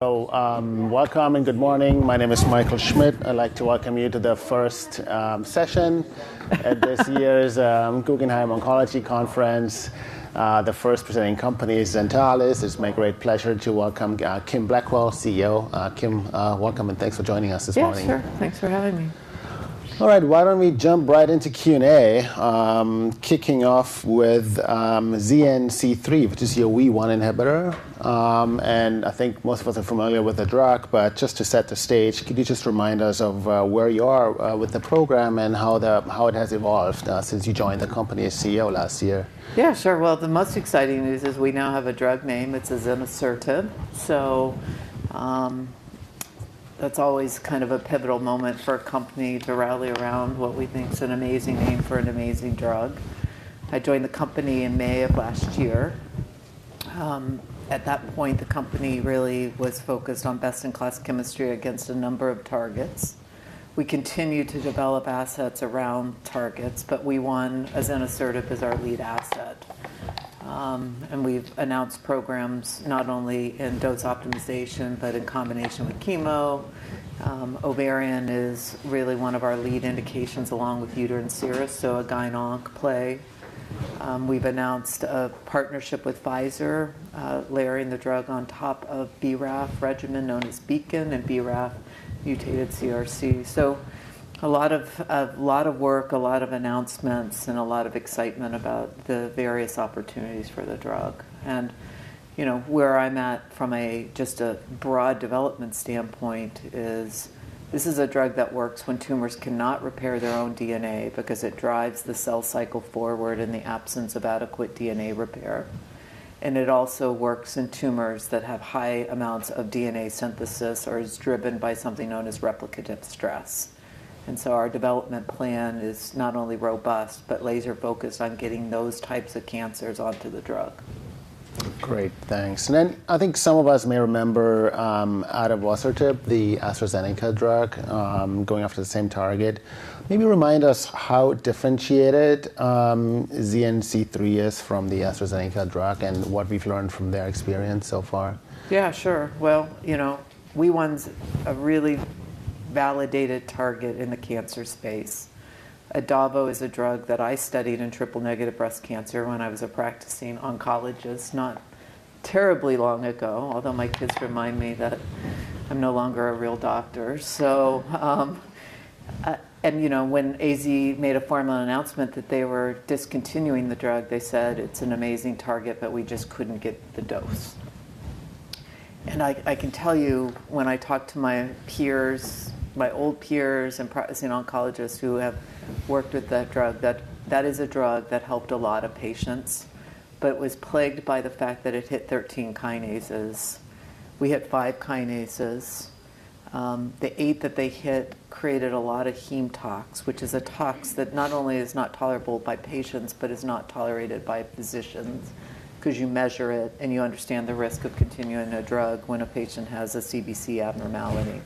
Welcome and good morning. My name is Michael Schmidt. I'd like to welcome you to the first session at this year's Guggenheim Oncology Conference. The first presenting company is Zentalis. It's my great pleasure to welcome Kimberly Blackwell, CEO. Kim, welcome, and thanks for joining us this morning. Yeah, sure. Thanks for having me. All right. Why don't we jump right into Q&A, kicking off with ZN-c3, which is a WEE1 inhibitor. I think most of us are familiar with the drug, but just to set the stage, could you just remind us of where you are with the program and how it has evolved since you joined the company as CEO last year? Yeah, sure. Well, the most exciting news is we now have a drug name. It's Azenosertib. That's always kind of a pivotal moment for a company to rally around what we think is an amazing name for an amazing drug. I joined the company in May of last year. At that point, the company really was focused on best-in-class chemistry against a number of targets. We continue to develop assets around targets, but WEE1, Azenosertib, is our lead asset. We've announced programs not only in dose optimization but in combination with chemo. Ovarian is really one of our lead indications along with uterine serous, so a GYN onc play. We've announced a partnership with Pfizer, layering the drug on top of BRAF regimen known as BEACON and BRAF-mutated CRC. A lot of work, a lot of announcements, and a lot of excitement about the various opportunities for the drug. You know, where I'm at from a just a broad development standpoint is this is a drug that works when tumors cannot repair their own DNA because it drives the cell cycle forward in the absence of adequate DNA repair. It also works in tumors that have high amounts of DNA synthesis or is driven by something known as replication stress. Our development plan is not only robust but laser-focused on getting those types of cancers onto the drug. Great. Thanks. Then I think some of us may remember, adavosertib, the AstraZeneca drug, going after the same target. Maybe remind us how differentiated, ZN-c3 is from the AstraZeneca drug and what we've learned from their experience so far? Yeah, sure. Well, you know, WEE1's a really validated target in the cancer space. Adavo is a drug that I studied in triple-negative breast cancer when I was a practicing oncologist not terribly long ago, although my kids remind me that I'm no longer a real doctor, so. You know, when AZ made a formal announcement that they were discontinuing the drug, they said it's an amazing target, but we just couldn't get the dose. I can tell you when I talk to my peers, my old peers and practicing oncologists who have worked with that drug, that that is a drug that helped a lot of patients but was plagued by the fact that it hit 13 kinases. We hit five kinases. The eight that they hit created a lot of hem-tox, which is a tox that not only is not tolerable by patients but is not tolerated by physicians 'cause you measure it, and you understand the risk of continuing a drug when a patient has a CBC abnormality.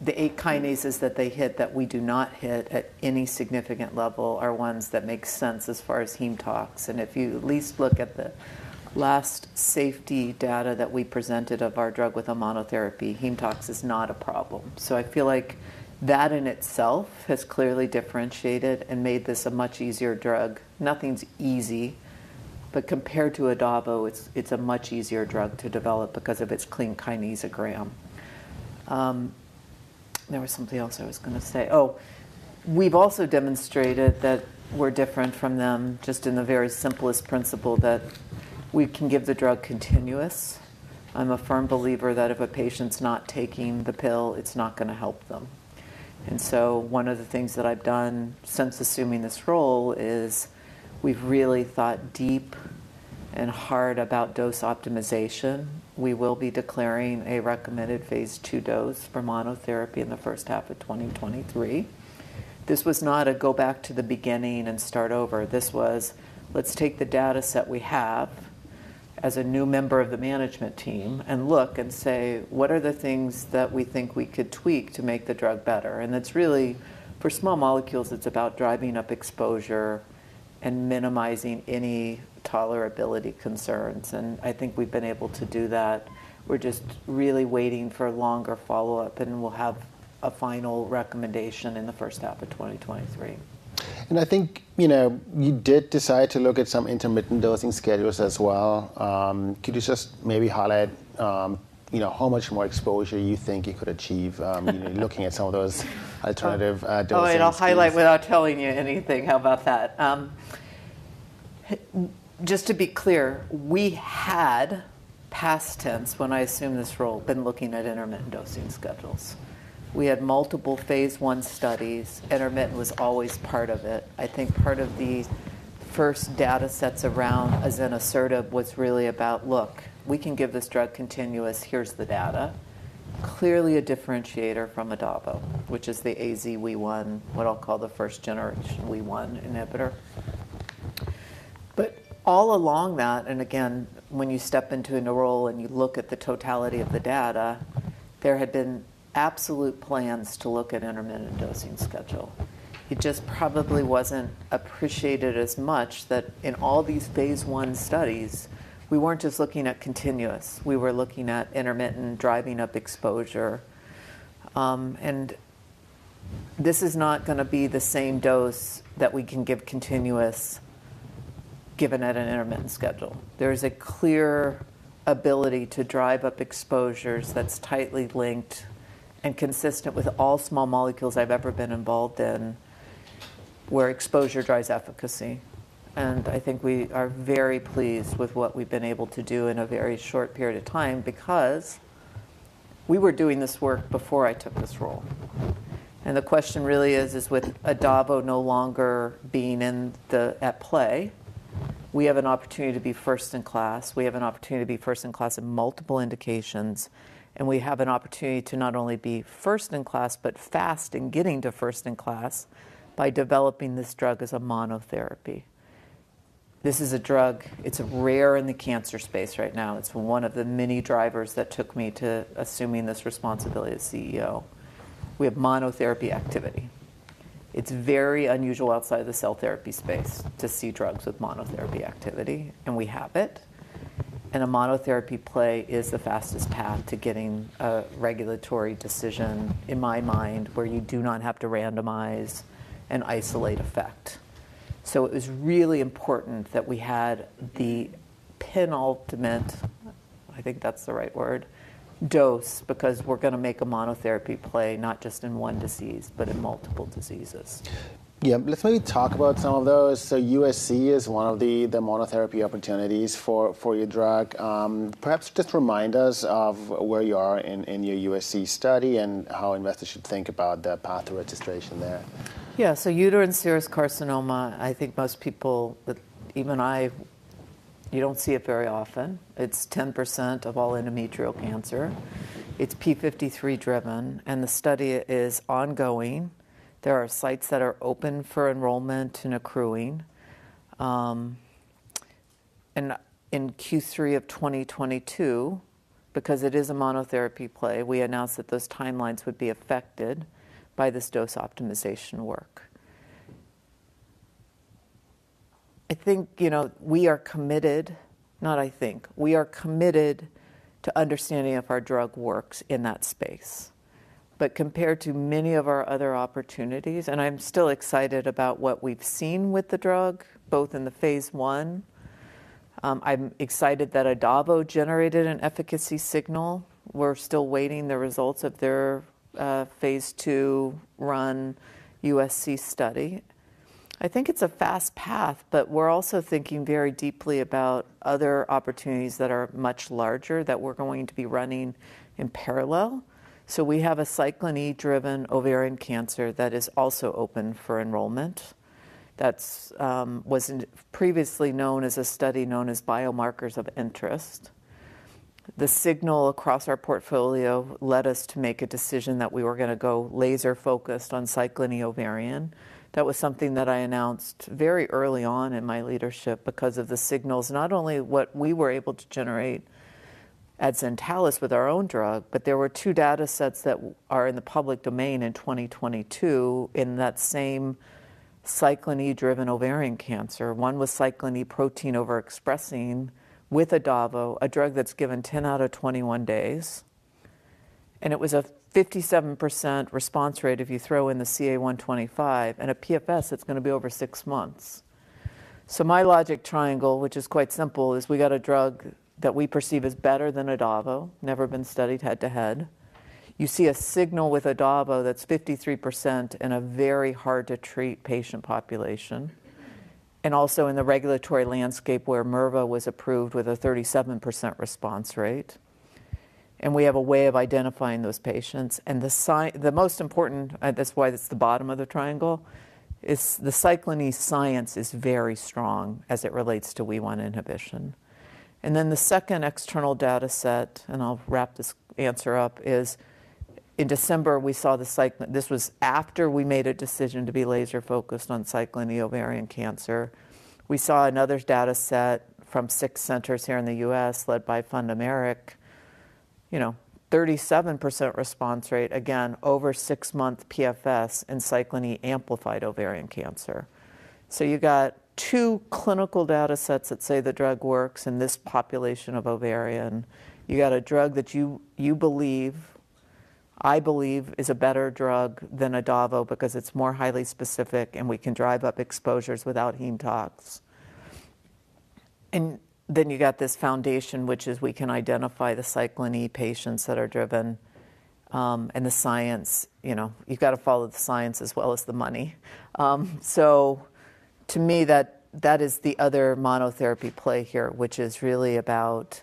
The eight kinases that they hit that we do not hit at any significant level are ones that make sense as far as hematologic toxicity. If you at least look at the last safety data that we presented of our drug with a monotherapy, hematologic toxicity is not a problem. I feel like that in itself has clearly differentiated and made this a much easier drug. Nothing's easy, but compared to Adavo, it's a much easier drug to develop because of its clean kinesiogram. There was something else I was gonna say. Oh, we've also demonstrated that we're different from them just in the very simplest principle that we can give the drug continuous. I'm a firm believer that if a patient's not taking the pill, it's not gonna help them. One of the things that I've done since assuming this role is we've really thought deep and hard about dose optimization. We will be declaring a recommended phase II dose for monotherapy in the first half of 2023. This was not a go back to the beginning and start over. This was, let's take the dataset we have as a new member of the management team and look and say, "What are the things that we think we could tweak to make the drug better?" It's really for small molecules, it's about driving up exposure and minimizing any tolerability concerns, and I think we've been able to do that. We're just really waiting for longer follow-up, and then we'll have a final recommendation in the first half of 2023. I think, you know, you did decide to look at some intermittent dosing schedules as well. Could you just maybe highlight, you know, how much more exposure you think you could achieve, you know, looking at some of those alternative dosing schemes? Oh, I'll highlight without telling you anything. How about that? Just to be clear, we had, past tense, when I assumed this role, been looking at intermittent dosing schedules. We had multiple phase I studies. Intermittent was always part of it. I think part of the first datasets around Azenosertib was really about, look, we can give this drug continuous. Here's the data. Clearly a differentiator from Adavo, which is the AZ WEE1, what I'll call the first generation WEE1 inhibitor. All along that, and again, when you step into a new role and you look at the totality of the data, there had been absolute plans to look at intermittent dosing schedule. It just probably wasn't appreciated as much that in all these phase I studies, we weren't just looking at continuous, we were looking at intermittent driving up exposure. This is not gonna be the same dose that we can give continuous given at an intermittent schedule. There is a clear ability to drive up exposures that's tightly linked and consistent with all small molecules I've ever been involved in where exposure drives efficacy. I think we are very pleased with what we've been able to do in a very short period of time because we were doing this work before I took this role. The question really is with Adavo no longer being at play, we have an opportunity to be first in class, we have an opportunity to be first in class in multiple indications, and we have an opportunity to not only be first in class, but fast in getting to first in class by developing this drug as a monotherapy. This is a drug, it's rare in the cancer space right now. It's one of the many drivers that took me to assuming this responsibility as CEO. We have monotherapy activity. It's very unusual outside of the cell therapy space to see drugs with monotherapy activity, and we have it. A monotherapy play is the fastest path to getting a regulatory decision, in my mind, where you do not have to randomize and isolate effect. It was really important that we had the penultimate, I think that's the right word, dose, because we're gonna make a monotherapy play not just in one disease, but in multiple diseases. Yeah. Let me talk about some of those. USC is one of the monotherapy opportunities for your drug. Perhaps just remind us of where you are in your USC study and how investors should think about the path to registration there. Yeah. Uterine serous carcinoma, I think most people, even I, you don't see it very often. It's 10% of all endometrial cancer. It's p53 driven, and the study is ongoing. There are sites that are open for enrollment and accruing, and in Q3 of 2022, because it is a monotherapy play, we announced that those timelines would be affected by this dose optimization work. I think, you know, we are committed to understanding if our drug works in that space. Compared to many of our other opportunities, and I'm still excited about what we've seen with the drug, both in the phase I. I'm excited that Adavo generated an efficacy signal. We're still waiting the results of their phase II run USC study. I think it's a fast path, but we're also thinking very deeply about other opportunities that are much larger that we're going to be running in parallel. We have a cyclin E-driven ovarian cancer that is also open for enrollment. That's was previously known as a study known as biomarkers of interest. The signal across our portfolio led us to make a decision that we were gonna go laser-focused on cyclin E ovarian. That was something that I announced very early on in my leadership because of the signals, not only what we were able to generate at Zentalis with our own drug, but there were two datasets that are in the public domain in 2022 in that same cyclin E-driven ovarian cancer. One was cyclin E protein overexpressing with adavo, a drug that's given 10 out of 21 days, and it was a 57% response rate if you throw in the CA-125, and a PFS that's gonna be over 6 months. My logic triangle, which is quite simple, is we got a drug that we perceive as better than adavo, never been studied head-to-head. You see a signal with adavo that's 53% in a very hard to treat patient population, also in the regulatory landscape where Mirve was approved with a 37% response rate. We have a way of identifying those patients. The most important, that's why it's the bottom of the triangle, is the cyclin E science is very strong as it relates to WEE1 inhibition. The second external dataset, and I'll wrap this answer up, is in December, we saw this was after we made a decision to be laser-focused on cyclin E ovarian cancer. We saw another dataset from 6 centers here in the U.S. led by Funda Meric-Bernstam, you know, 37% response rate, again, over 6-month PFS in cyclin E amplified ovarian cancer. You got two clinical datasets that say the drug works in this population of ovarian. You got a drug that you believe, I believe is a better drug than adavosertib because it's more highly specific, and we can drive up exposures without hemetox. You got this foundation, which is we can identify the cyclin E patients that are driven, and the science. You know, you've got to follow the science as well as the money. To me, that is the other monotherapy play here, which is really about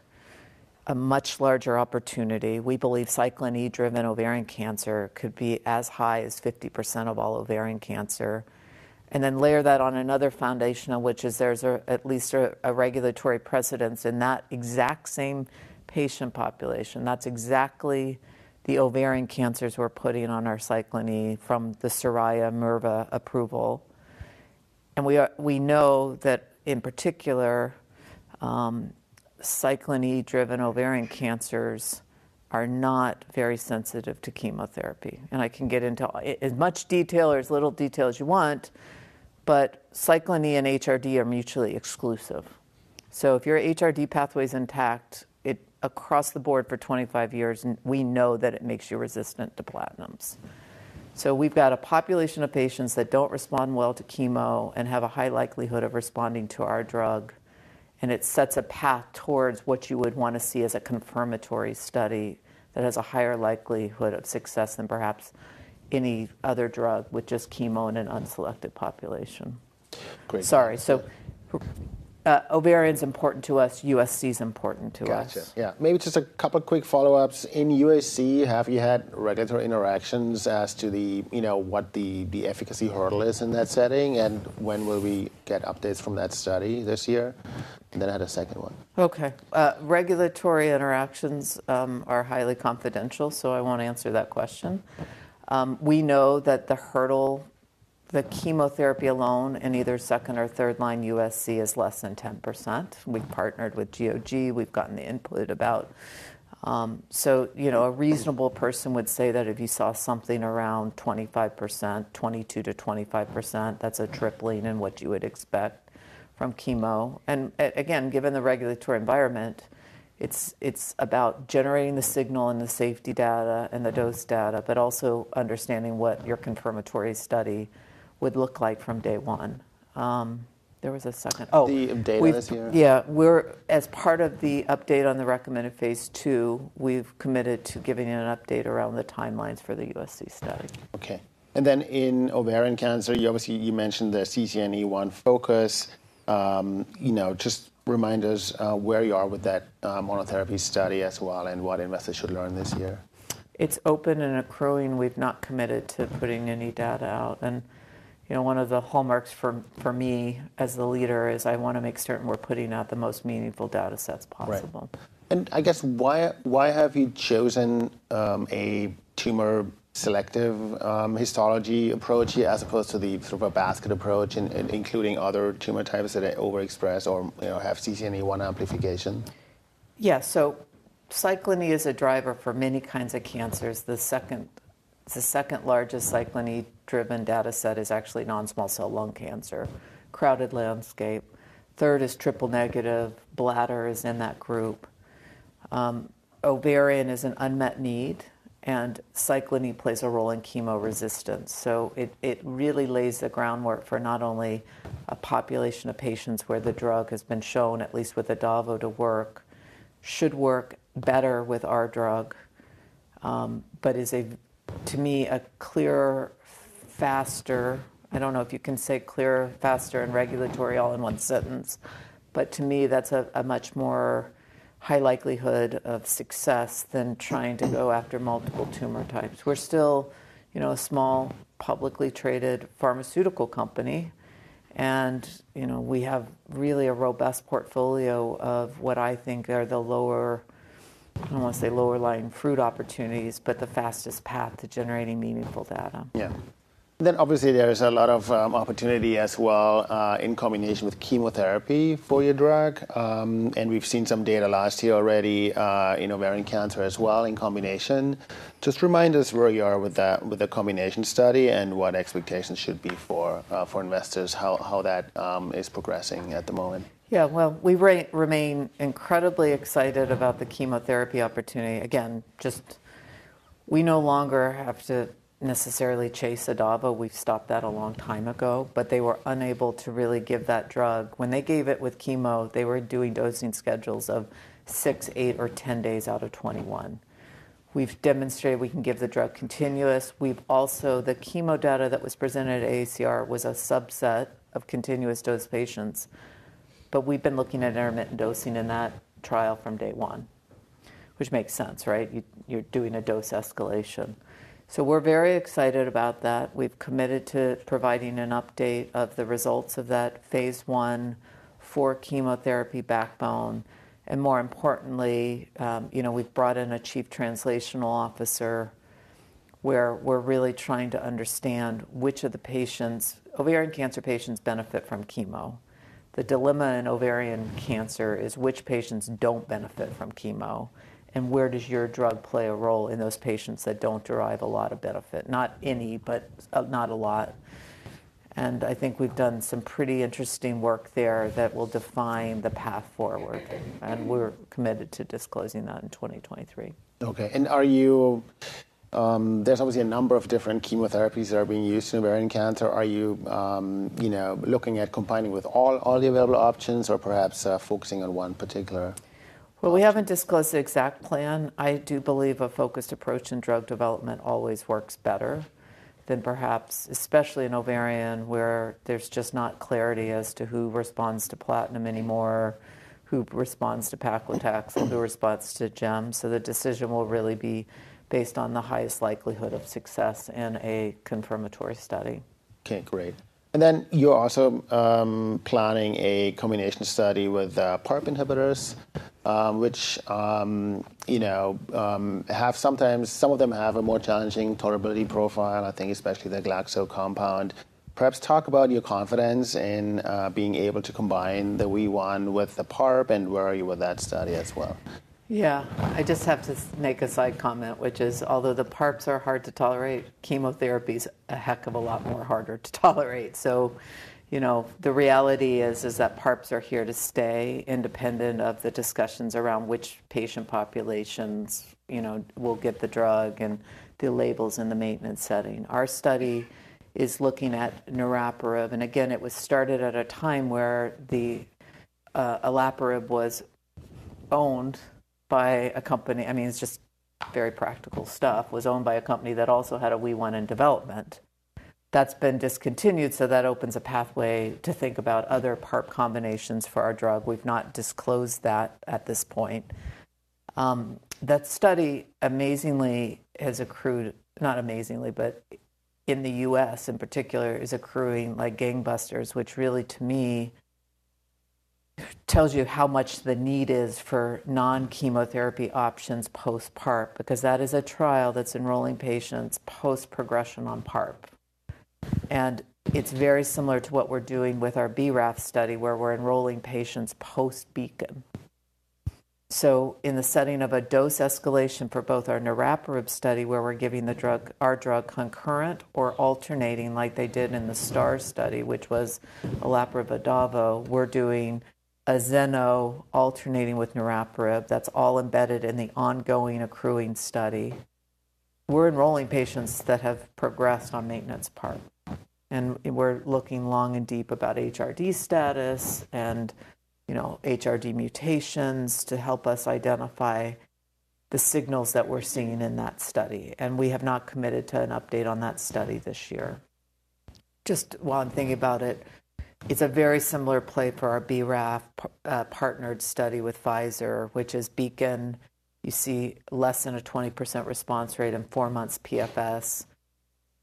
a much larger opportunity. We believe cyclin E-driven ovarian cancer could be as high as 50% of all ovarian cancer. Layer that on another foundational, which is there's at least a regulatory precedence in that exact same patient population. That's exactly the ovarian cancers we're putting on our cyclin E from the SORAYA mirve approval. We know that in particular, cyclin E-driven ovarian cancers are not very sensitive to chemotherapy. I can get into as much detail or as little detail as you want, but cyclin E and HRD are mutually exclusive. If your HRD pathway's intact, across the board for 25 years and we know that it makes you resistant to platinums. We've got a population of patients that don't respond well to chemo and have a high likelihood of responding to our drug, and it sets a path towards what you would wanna see as a confirmatory study that has a higher likelihood of success than perhaps any other drug with just chemo in an unselected population. Great. Sorry. ovarian's important to us. USC is important to us. Gotcha. Yeah. Maybe just a couple quick follow-ups. In USC, have you had regulatory interactions as to the, you know, what the efficacy hurdle is in that setting, and when will we get updates from that study this year? I had a second one. Okay. Regulatory interactions are highly confidential, so I won't answer that question. We know that the hurdle, the chemotherapy alone in either second or third line USC is less than 10%. We've partnered with GOG. We've gotten the input about, you know, a reasonable person would say that if you saw something around 25%, 22%-25%, that's a tripling in what you would expect from chemo. Again, given the regulatory environment, it's about generating the signal and the safety data and the dose data, but also understanding what your confirmatory study would look like from day one. There was a second... Oh. The data this year. As part of the update on the recommended phase II, we've committed to giving an update around the timelines for the USC study. Okay. In ovarian cancer, you obviously, you mentioned the CCNE1 focus. you know, just remind us, where you are with that, monotherapy study as well, and what investors should learn this year? It's open and accruing. We've not committed to putting any data out. You know, one of the hallmarks for me as the leader is I wanna make certain we're putting out the most meaningful data sets possible. Right. I guess why have you chosen a tumor-selective histology approach as opposed to the sort of a basket approach including other tumor types that overexpress or, you know, have CCNE1 amplification? Cyclin E is a driver for many kinds of cancers. The second largest cyclin E-driven data set is actually non-small cell lung cancer. Crowded landscape. Third is triple-negative. Bladder is in that group. Ovarian is an unmet need, and cyclin E plays a role in chemoresistance. It really lays the groundwork for not only a population of patients where the drug has been shown, at least with Adavo to work, should work better with our drug, but is a, to me, a clearer, faster, I don't know if you can say clearer, faster, and regulatory all in one sentence, but to me, that's a much more high likelihood of success than trying to go after multiple tumor types. We're still, you know, a small, publicly traded pharmaceutical company, and, you know, we have really a robust portfolio of what I think are the lower, I don't wanna say lower lying fruit opportunities, but the fastest path to generating meaningful data. Yeah. Obviously, there is a lot of opportunity as well in combination with chemotherapy for your drug. We've seen some data last year already in ovarian cancer as well in combination. Just remind us where you are with that, with the combination study and what expectations should be for investors, how that is progressing at the moment? Yeah. Well, we remain incredibly excited about the chemotherapy opportunity. Again, just we no longer have to necessarily chase adavosertib. We've stopped that a long time ago. They were unable to really give that drug. When they gave it with chemo, they were doing dosing schedules of six, eight, or 10 days out of 21. We've demonstrated we can give the drug continuous. We've also. The chemo data that was presented at AACR was a subset of continuous dose patients, but we've been looking at intermittent dosing in that trial from day one, which makes sense, right? You're doing a dose escalation. We're very excited about that. We've committed to providing an update of the results of that phase I for chemotherapy backbone. More importantly, you know, we've brought in a chief translational officer, where we're really trying to understand which of the patients. Ovarian cancer patients benefit from chemo. The dilemma in ovarian cancer is which patients don't benefit from chemo, where does your drug play a role in those patients that don't derive a lot of benefit? Not any, but, not a lot. I think we've done some pretty interesting work there that will define the path forward, and we're committed to disclosing that in 2023. Okay. There's obviously a number of different chemotherapies that are being used in ovarian cancer. Are you know, looking at combining with all the available options or perhaps, focusing on one particular option? We haven't disclosed the exact plan. I do believe a focused approach in drug development always works better than perhaps, especially in ovarian, where there's just not clarity as to who responds to platinum anymore, who responds to paclitaxel, who responds to gemcitabine. The decision will really be based on the highest likelihood of success in a confirmatory study. Okay, great. You're also planning a combination study with PARP inhibitors, which, you know, have sometimes some of them have a more challenging tolerability profile, I think especially the Glaxo compound. Perhaps talk about your confidence in being able to combine the WEE1 with the PARP, and where are you with that study as well? Yeah. I just have to make a side comment, which is, although the PARPs are hard to tolerate, chemotherapy's a heck of a lot more harder to tolerate. You know, the reality is that PARPs are here to stay independent of the discussions around which patient populations, you know, will get the drug and the labels in the maintenance setting. Our study is looking at niraparib, and again, it was started at a time where the olaparib was owned by a company... I mean, it's just very practical stuff. Was owned by a company that also had a WEE1 in development. That's been discontinued, so that opens a pathway to think about other PARP combinations for our drug. We've not disclosed that at this point. That study amazingly has accrued... Not amazingly, but in the U.S. in particular, is accruing like gangbusters, which really to me tells you how much the need is for non-chemotherapy options post-PARP. That is a trial that's enrolling patients post-progression on PARP. It's very similar to what we're doing with our BRAF study where we're enrolling patients post-BEACON. In the setting of a dose escalation for both our niraparib study where we're giving our drug concurrent or alternating like they did in the STAR study, which was olaparib-adavo, we're doing Azenosertib alternating with niraparib. That's all embedded in the ongoing accruing study. We're enrolling patients that have progressed on maintenance PARP, and we're looking long and deep about HRD status and, you know, HRD mutations to help us identify the signals that we're seeing in that study. We have not committed to an update on that study this year. Just while I'm thinking about it's a very similar play for our BRAF partnered study with Pfizer, which is BEACON. You see less than a 20% response rate and 4 months PFS.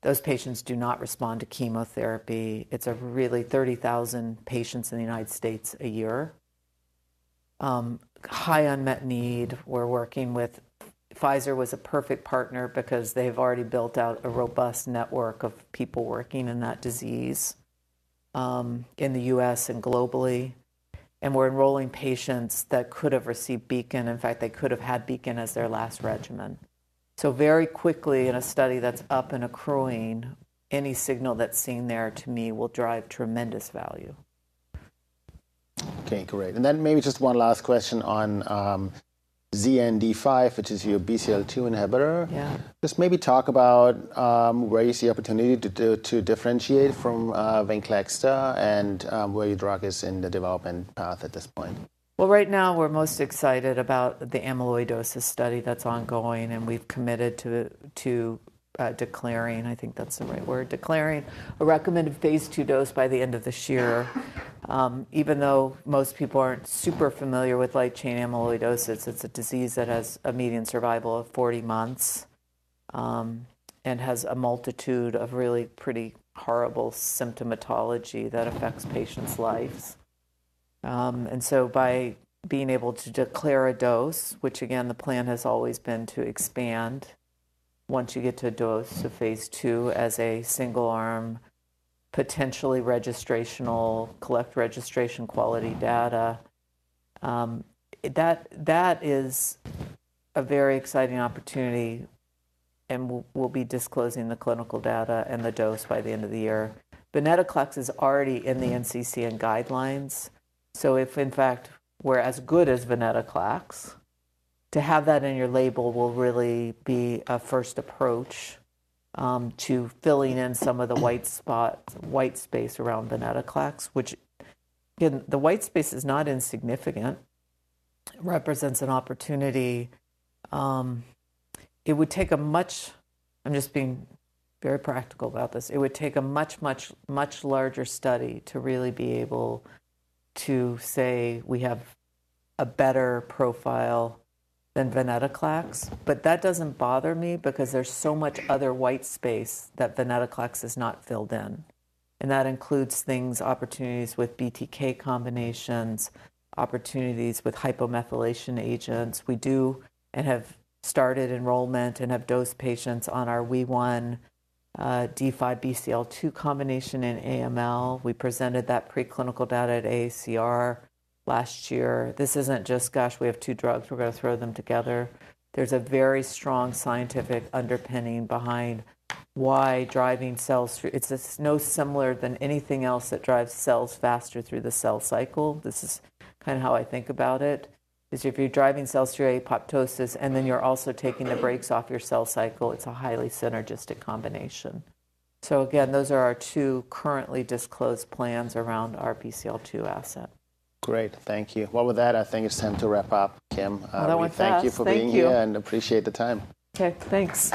Those patients do not respond to chemotherapy. It's a really 30,000 patients in the United States a year. High unmet need. We're working. Pfizer was a perfect partner because they've already built out a robust network of people working in that disease in the US and globally, and we're enrolling patients that could have received BEACON. In fact, they could have had BEACON as their last regimen. Very quickly in a study that's up and accruing, any signal that's seen there to me will drive tremendous value. Okay, great. Maybe just one last question on ZN-d5, which is your BCL-2 inhibitor. Yeah. Just maybe talk about, where you see opportunity to differentiate from, Venclexta and, where your drug is in the development path at this point. Right now, we're most excited about the amyloidosis study that's ongoing, and we've committed to declaring, I think that's the right word, declaring a recommended phase II dose by the end of this year. Even though most people aren't super familiar with light chain amyloidosis, it's a disease that has a median survival of 40 months and has a multitude of really pretty horrible symptomatology that affects patients' lives. By being able to declare a dose, which again, the plan has always been to expand once you get to a dose to phase II as a single arm, potentially registrational, collect registration quality data, that is a very exciting opportunity, and we'll be disclosing the clinical data and the dose by the end of the year. venetoclax is already in the NCCN guidelines. If in fact we're as good as venetoclax, to have that in your label will really be a first approach to filling in some of the white space around venetoclax, which again, the white space is not insignificant. It represents an opportunity. I'm just being very practical about this. It would take a much, much, much larger study to really be able to say we have a better profile than venetoclax, but that doesn't bother me because there's so much other white space that venetoclax has not filled in, and that includes things, opportunities with BTK combinations, opportunities with hypomethylating agents. We do and have started enrollment and have dosed patients on our WEE1, ZN-d5 BCL-2 combination in AML. We presented that preclinical data at AACR last year. This isn't just, "Gosh, we have two drugs, we're gonna throw them together." There's a very strong scientific underpinning behind why driving cells no similar than anything else that drives cells faster through the cell cycle. This is kinda how I think about it, is if you're driving cells through apoptosis and then you're also taking the brakes off your cell cycle, it's a highly synergistic combination. Again, those are our two currently disclosed plans around our BCL-2 asset. Great. Thank you. Well, with that, I think it's time to wrap up, Kim. Well, it does. Thank you. We thank you for being here and appreciate the time. Okay, thanks.